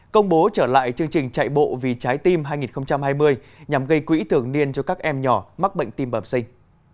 công bố trở lại chương trình chạy bộ vì trái tim hai nghìn hai mươi nhằm gây quỹ thường niên cho các em nhỏ mắc bệnh tim bẩm sinh